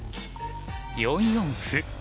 ４四歩。